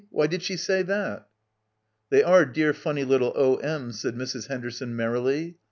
Why did she say that?" "They are dear funny little O.M.'s," said Mrs. Henderson merrily.